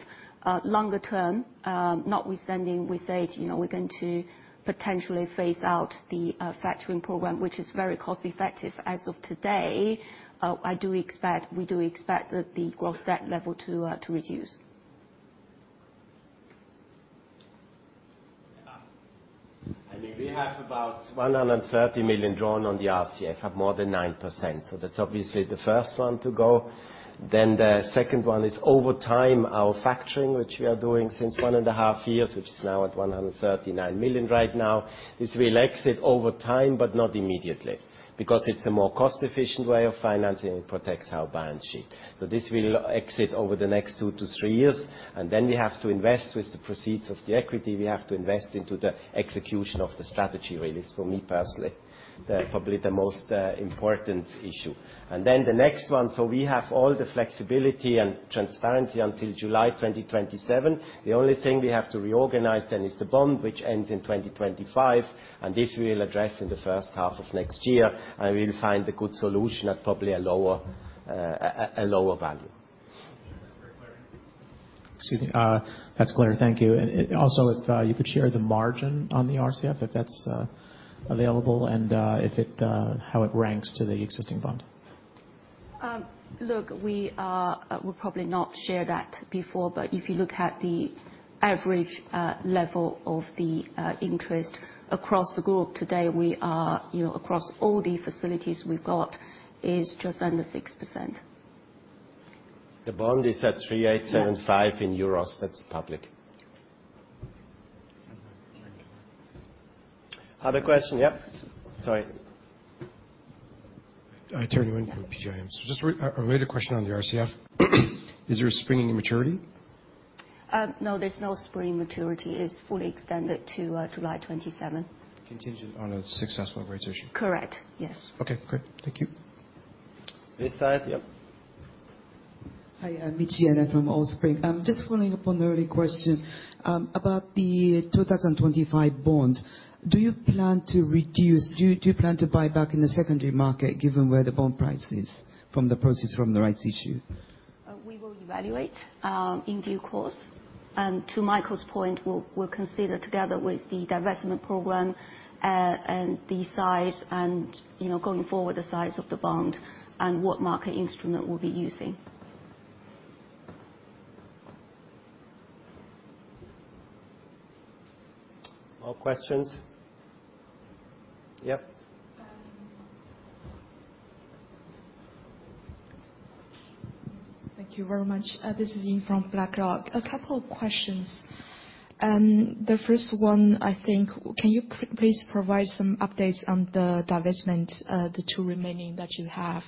Longer term, notwithstanding, we said, you know, we're going to potentially phase out the factoring program, which is very cost effective as of today. I do expect, we do expect the gross debt level to reduce. I mean, we have about $130 million drawn on the RCF of more than 9%, so that's obviously the first one to go. Then, the second one is over time, our factoring, which we are doing since 1.5 years, which is now at 139 million right now, is we will exit over time, but not immediately. Because it's a more cost-efficient way of financing, it protects our balance sheet. So this will exit over the next 2-3 years, and then we have to invest with the proceeds of the equity. We have to invest into the execution of the strategy, really, for me personally, the, probably the most, important issue. And then the next one, so we have all the flexibility and transparency until July 2027. The only thing we have to reorganize then is the bond, which ends in 2025, and this we'll address in the H1 of next year, and we'll find a good solution at probably a lower value. Excuse me, that's clear. Thank you. And also, if you could share the margin on the RCF, if that's available, and if it how it ranks to the existing bond. Look, we probably not share that before, but if you look at the average level of the interest across the group, today, we are, you know, across all the facilities we've got, is just under 6%. The bond is at 3.875%- Yeah -in euros. That's public. Other question? Yep. Sorry. Terry Winn from PGIM. So just a related question on the RCF. Is there a springing maturity? No, there's no springing maturity. It's fully extended to July 2027. Contingent on a successful rights issue. Correct, yes. Okay, great. Thank you. This side. Yep. Hi, I'm Meghana from Allspring Global Investments. Just following up on the earlier question about the 2025 bond. Do you plan to buy back in the secondary market, given where the bond price is, from the proceeds from the rights issue? We will evaluate in due course. And to Michael's point, we'll consider together with the divestment program, and the size and, you know, going forward, the size of the bond and what market instrument we'll be using. More questions? Yep. Thank you very much. This is Ying from BlackRock. A couple of questions. The first one, I think, can you please provide some updates on the divestment, the two remaining that you have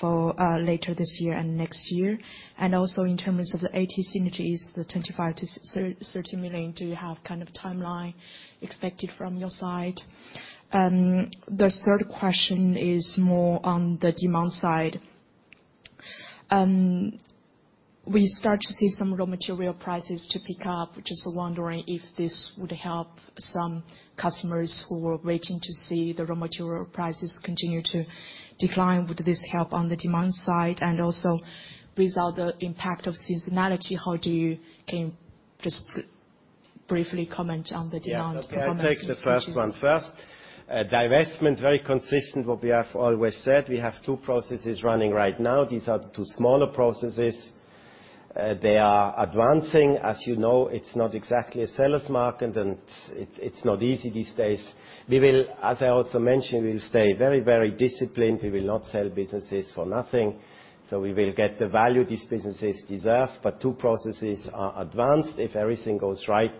for later this year and next year? And also, in terms of the AT synergies, the 25 million-30 million, do you have kind of a timeline expected from your side? And the third question is more on the demand side. We start to see some raw material prices to pick up, just wondering if this would help some customers who were waiting to see the raw material prices continue to decline. Would this help on the demand side? And also, without the impact of seasonality, how do you... Can you just briefly comment on the demand performance? Yeah, I'll take the first one first. Divestment, very consistent what we have always said. We have two processes running right now. These are the two smaller processes. They are advancing. As you know, it's not exactly a seller's market, and it's, it's not easy these days. We will, as I also mentioned, we'll stay very, very disciplined. We will not sell businesses for nothing, so we will get the value these businesses deserve. But two processes are advanced. If everything goes right,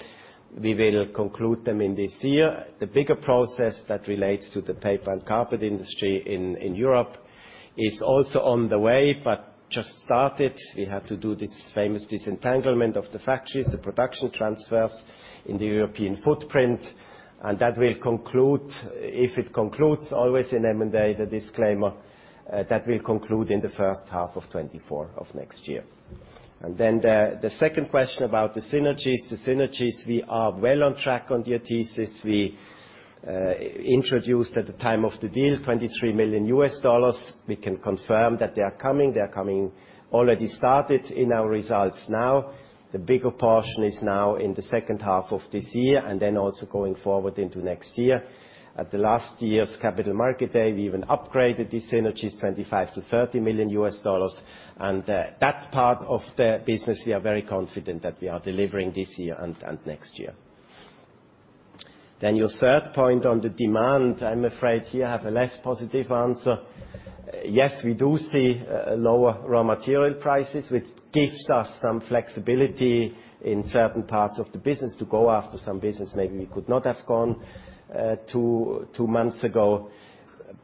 we will conclude them in this year. The bigger process that relates to the paper and carpet industry in Europe is also on the way, but just started. We have to do this famous disentanglement of the factories, the production transfers in the European footprint, and that will conclude, if it concludes, always in M&A, the disclaimer, that will conclude in the H1 of 2024, next year. Then the second question about the synergies. The synergies, we are well on track on the thesis. We introduced at the time of the deal, $23 million. We can confirm that they are coming. They are coming, already started in our results now. The bigger portion is now in the H2 of this year, and then also going forward into next year. At the last year's Capital Markets Day, we even upgraded the synergies, $25 million-$30 million, and that part of the business, we are very confident that we are delivering this year and next year. Then your third point on the demand, I'm afraid here I have a less positive answer. Yes, we do see lower raw material prices, which gives us some flexibility in certain parts of the business to go after some business maybe we could not have gone two months ago.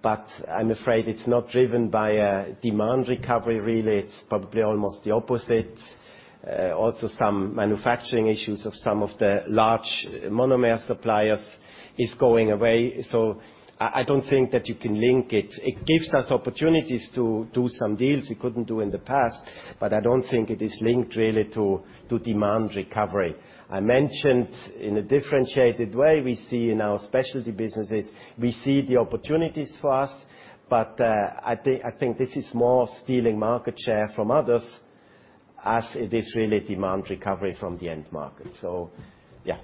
But I'm afraid it's not driven by a demand recovery, really. It's probably almost the opposite. Also some manufacturing issues of some of the large monomer suppliers is going away, so I don't think that you can link it. It gives us opportunities to do some deals we couldn't do in the past, but I don't think it is linked really to demand recovery. I mentioned in a differentiated way, we see in our specialty businesses, we see the opportunities for us, but, I think, I think this is more stealing market share from others as it is really demand recovery from the end market. So yeah.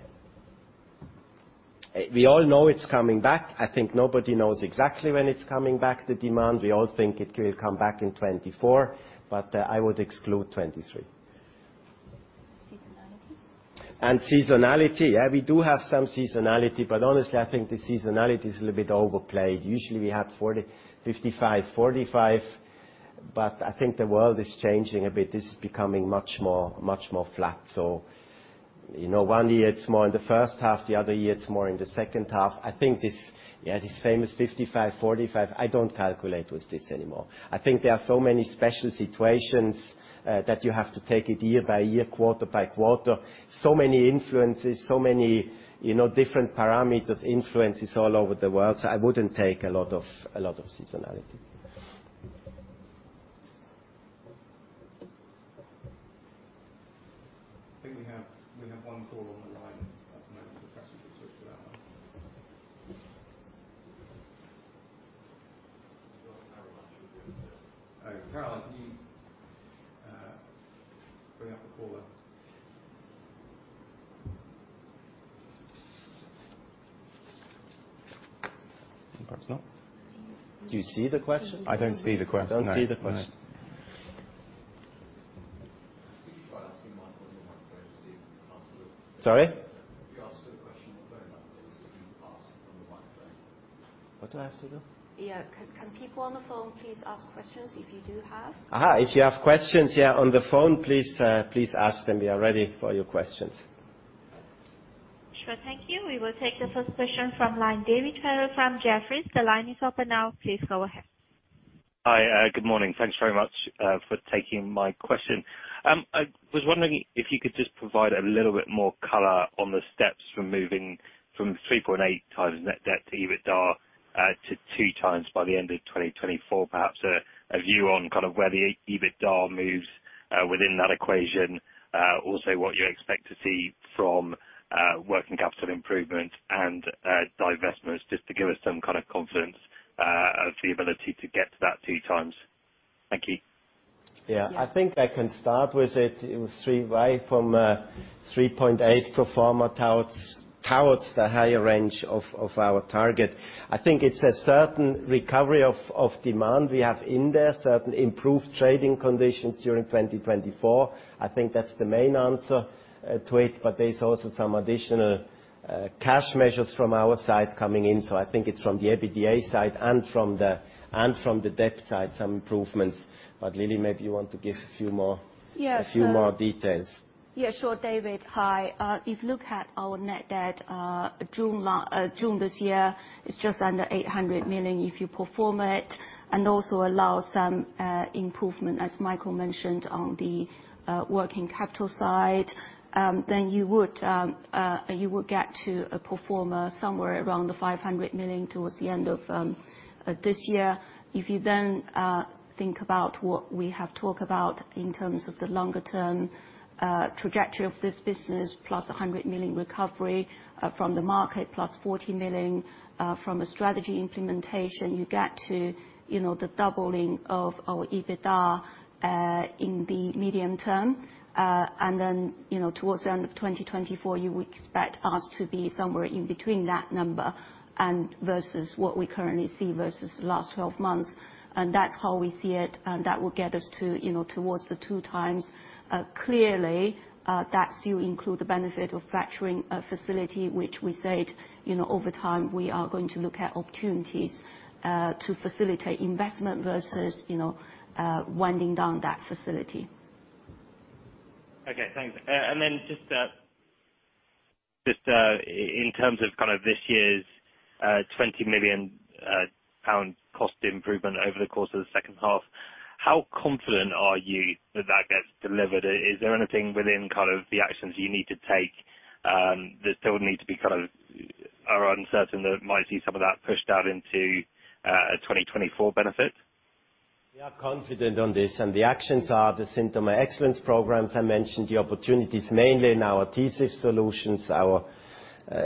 We all know it's coming back. I think nobody knows exactly when it's coming back, the demand. We all think it will come back in 2024, but, I would exclude 2023. Seasonality? Seasonality, yeah, we do have some seasonality, but honestly, I think the seasonality is a little bit overplayed. Usually, we have 40, 55, 45, but I think the world is changing a bit. This is becoming much more, much more flat. So, you know, one year it's more in the H1, the other year it's more in the H2. I think this, yeah, this famous 55, 45, I don't calculate with this anymore. I think there are so many special situations, that you have to take it year by year, quarter by quarter. So many influences, so many, you know, different parameters, influences all over the world, so I wouldn't take a lot of, a lot of seasonality. I think we have one call on the line at the moment, so perhaps we can switch to that one. All right, Caroline, can you bring up the caller? Perhaps not. Do you see the question? I don't see the question, no. Don't see the question. Could you try asking one from the microphone to see if it comes through? Sorry? If you ask the question on the phone, if you ask on the microphone. What do I have to do? Yeah. Can people on the phone please ask questions if you do have? Aha, if you have questions, yeah, on the phone, please, please ask them. We are ready for your questions. Sure. Thank you. We will take the first question from line, David Taylor from Jefferies. The line is open now. Please go ahead. Hi, good morning. Thanks very much for taking my question. I was wondering if you could just provide a little bit more color on the steps from moving from 3.8x net debt to EBITDA to 2x by the end of 2024. Perhaps a view on kind of where the EBITDA moves within that equation. Also what you expect to see from working capital improvement and divestments, just to give us some kind of confidence of the ability to get to that 2x. Thank you. Yeah. Yes. I think I can start with it. It was 3.8 from pro forma towards the higher range of our target. I think it's a certain recovery of demand we have in there, certain improved trading conditions during 2024. I think that's the main answer to it, but there's also some additional cash measures from our side coming in. So I think it's from the EBITDA side and from the debt side, some improvements. But Lily, maybe you want to give a few more- Yeah, so- A few more details. Yeah, sure, David. Hi. If you look at our Net Debt, June this year, it's just under 800 million, if you pro forma it, and also allows some improvement, as Michael mentioned, on the working capital side. Then you would get to a pro forma somewhere around the 500 million towards the end of this year. If you then think about what we have talked about in terms of the longer term trajectory of this business, plus 100 million recovery from the market, plus 40 million from a strategy implementation, you get to, you know, the doubling of our EBITDA in the medium term. And then, you know, towards the end of 2024, you would expect us to be somewhere in between that number and versus what we currently see versus the last 12 months. That's how we see it, and that will get us to, you know, towards the 2x. Clearly, that still include the benefit of Ghent facility, which we said, you know, over time, we are going to look at opportunities to facilitate investment versus, you know, winding down that facility. Okay, thanks. And then just, just, in terms of kind of this year's 20 million pound cost improvement over the course of the H2, how confident are you that that gets delivered? Is there anything within kind of the actions you need to take that still need to be kind of are uncertain, that might see some of that pushed out into a 2024 benefit? We are confident on this, and the actions are the Synthomer Excellence programs. I mentioned the opportunities mainly in our Adhesive Solutions, our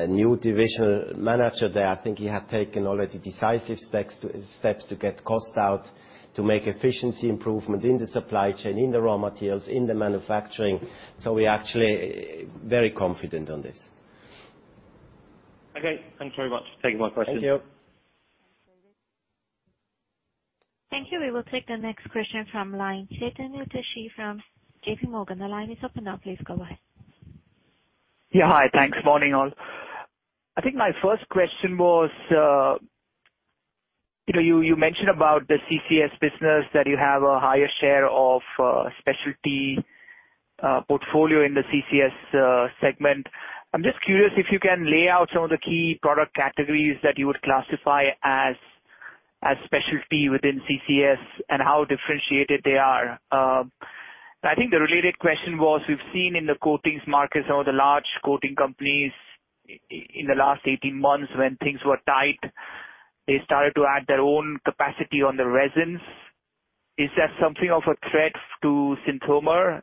new division manager there. I think he had taken already decisive steps to get cost out, to make efficiency improvement in the supply chain, in the raw materials, in the manufacturing. So we are actually very confident on this. Okay, thanks very much for taking my question. Thank you. Thank you. We will take the next question from line. Chetan Udeshi from J.P. Morgan. The line is open now. Please go ahead. Yeah, hi. Thanks. Morning, all. I think my first question was, you know, you, you mentioned about the CCS business, that you have a higher share of, specialty, portfolio in the CCS, segment. I'm just curious if you can lay out some of the key product categories that you would classify as, as specialty within CCS, and how differentiated they are. I think the related question was, we've seen in the coatings markets or the large coating companies in the last 18 months, when things were tight, they started to add their own capacity on the resins. Is that something of a threat to Synthomer,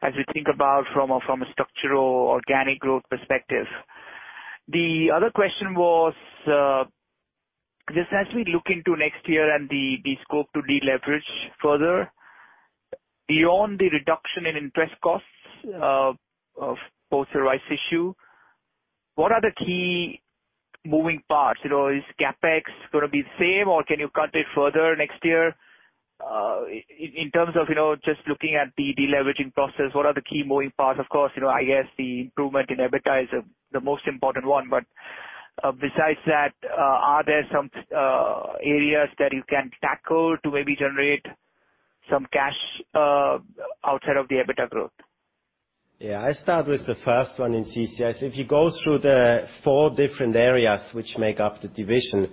as you think about from a, from a structural organic growth perspective? The other question was, just as we look into next year and the scope to deleverage further, beyond the reduction in interest costs of both the rights issue, what are the key moving parts? You know, is CapEx going to be the same, or can you cut it further next year? In terms of, you know, just looking at the deleveraging process, what are the key moving parts? Of course, you know, I guess the improvement in EBITDA is the most important one. But, besides that, are there some areas that you can tackle to maybe generate some cash outside of the EBITDA growth? Yeah, I start with the first one in CCS. If you go through the four different areas which make up the division,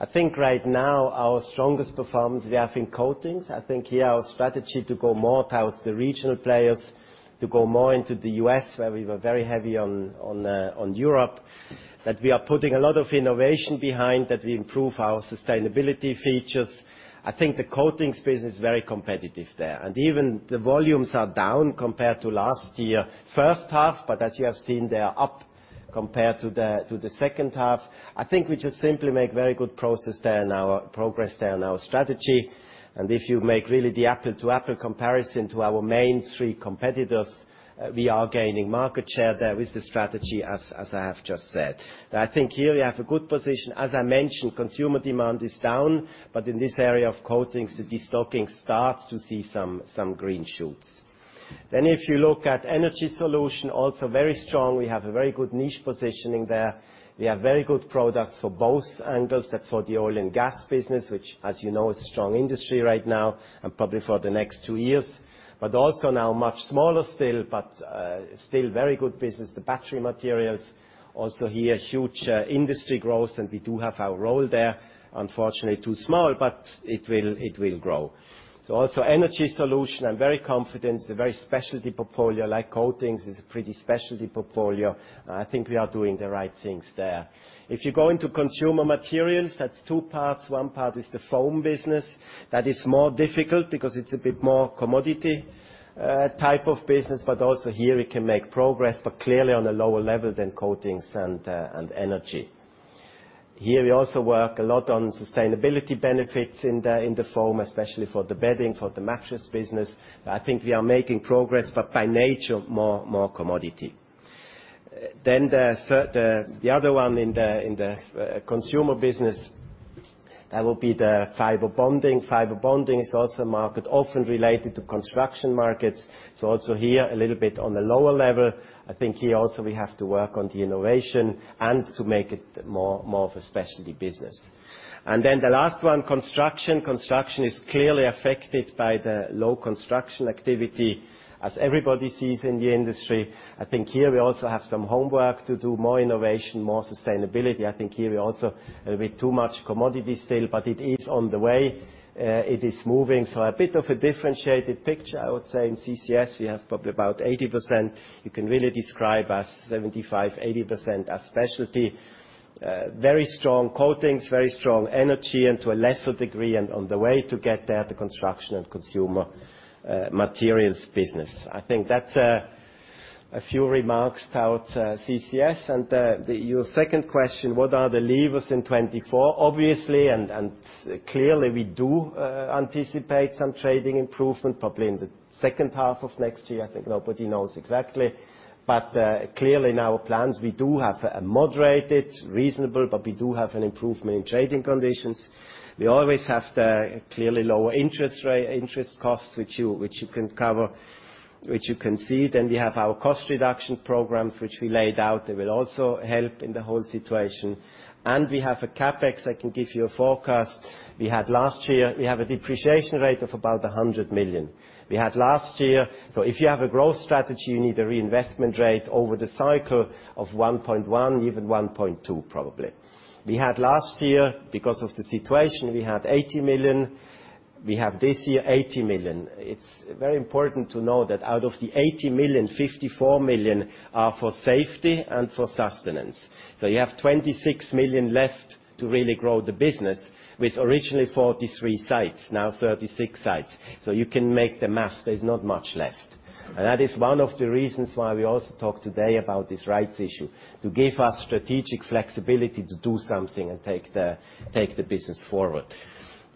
I think right now, our strongest performance we have in coatings. I think here, our strategy to go more towards the regional players, to go more into the U.S., where we were very heavy on Europe, that we are putting a lot of innovation behind, that we improve our sustainability features. I think the coatings business is very competitive there, and even the volumes are down compared to last year, H1, but as you have seen, they are up compared to the H2. I think we just simply make very good progress there in our strategy. If you make really the apple-to-apple comparison to our main three competitors, we are gaining market share there with the strategy, as, as I have just said. I think here we have a good position. As I mentioned, consumer demand is down, but in this area of coatings, the destocking starts to see some, some green shoots. Then if you look at Energy Solution, also very strong. We have a very good niche positioning there. We have very good products for both angles. That's for the oil and gas business, which, as you know, is a strong industry right now and probably for the next two years. But also now, much smaller still, but, still very good business, the battery materials. Also here, huge, industry growth, and we do have our role there. Unfortunately, too small, but it will, it will grow. So also, Energy Solution, I'm very confident. It's a very specialty portfolio, like coatings is a pretty specialty portfolio. I think we are doing the right things there. If you go into consumer materials, that's two parts. One part is the foam business. That is more difficult because it's a bit more commodity type of business, but also here we can make progress, but clearly on a lower level than coatings and energy. Here, we also work a lot on sustainability benefits in the foam, especially for the bedding, for the mattress business. I think we are making progress, but by nature, more commodity. Then the other one in the consumer business, that will be the fiber bonding. Fiber bonding is also a market often related to construction markets. So also here, a little bit on the lower level. I think here also we have to work on the innovation and to make it more, more of a specialty business. And then the last one, construction. Construction is clearly affected by the low construction activity, as everybody sees in the industry. I think here we also have some homework to do, more innovation, more sustainability. I think here we also a bit too much commodity still, but it is on the way. It is moving. So a bit of a differentiated picture, I would say. In CCS, we have probably about 80%. You can really describe as 75%-80% as specialty, very strong coatings, very strong energy, and to a lesser degree, and on the way to get there, the construction and consumer, materials business. I think that's a few remarks towards CCS. Your second question, what are the levers in 2024? Obviously, clearly, we do anticipate some trading improvement, probably in the H2 of next year. I think nobody knows exactly. But clearly in our plans, we do have a moderated, reasonable, but we do have an improvement in trading conditions. We always have the clearly lower interest rate, interest costs, which you can see. Then we have our cost reduction programs, which we laid out. They will also help in the whole situation. We have a CapEx, I can give you a forecast. We had last year, we have a depreciation rate of about 100 million. We had last year... If you have a growth strategy, you need a reinvestment rate over the cycle of 1.1, even 1.2, probably. We had last year, because of the situation, we had 80 million. We have this year, 80 million. It's very important to know that out of the 80 million, 54 million are for safety and for sustenance. So you have 26 million left to really grow the business with originally 43 sites, now 36 sites. So you can make the math. There is not much left. And that is one of the reasons why we also talked today about this rights issue, to give us strategic flexibility to do something and take the, take the business forward.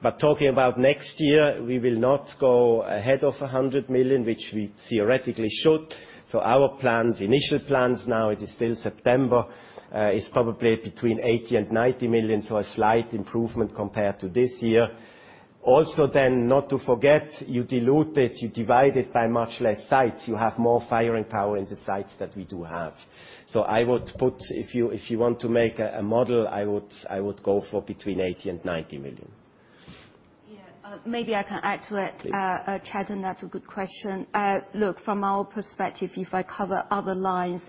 But talking about next year, we will not go ahead of 100 million, which we theoretically should. So our plans, initial plans, now it is still September, is probably between 80 million and 90 million, so a slight improvement compared to this year. Also, then, not to forget, you dilute it, you divide it by much less sites, you have more firing power in the sites that we do have. So I would put, if you, if you want to make a, a model, I would, I would go for between 80 million and 90 million. Yeah, maybe I can add to it. Please. Chad, and that's a good question. Look, from our perspective, if I cover other lines,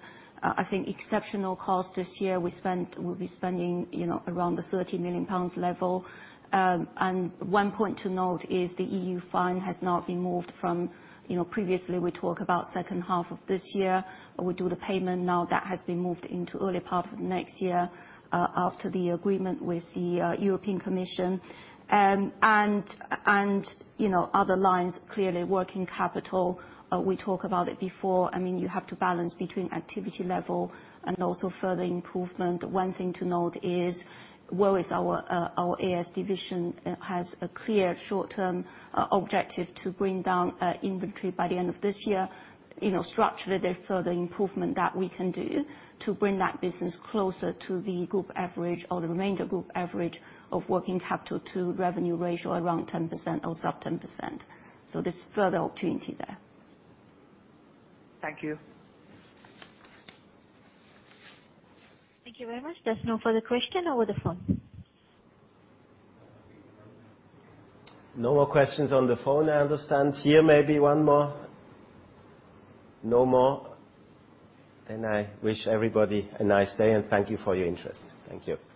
I think exceptional costs this year, we spent—we'll be spending, you know, around the 30 million pounds level. And one point to note is the EU fine has now been moved from, you know, previously we talk about H2 of this year, we do the payment. Now, that has been moved into early part of next year, after the agreement with the European Commission. And, you know, other lines, clearly, working capital, we talked about it before. I mean, you have to balance between activity level and also further improvement. One thing to note is, well, is our AS division has a clear short-term objective to bring down inventory by the end of this year. You know, structurally, there's further improvement that we can do to bring that business closer to the group average or the remainder group average of working capital to revenue ratio around 10% or sub-10%. So there's further opportunity there. Thank you. Thank you very much. There's no further question over the phone? No more questions on the phone, I understand. Here, maybe one more? No more. Then I wish everybody a nice day, and thank you for your interest. Thank you. Thank you.